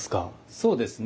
そうですね。